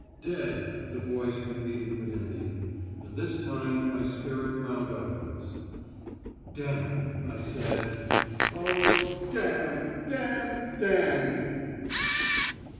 "Dead," the voice repeated within me. And this time my spirit found utterance: "Damn!" I said. "Oh damn! damn! Damn!"